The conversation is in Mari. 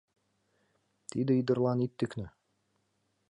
Тиде ӱдырлан ит тӱкнӧ!